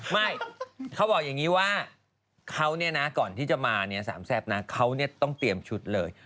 ไม่เขาบอกอย่างนี้ว่าเขาเนี่ยนะก่อนที่จะมาเนี่ยสามแซ่บนะเขาต้องเตรียมชุดเลย